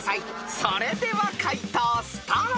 ［それでは解答スタート］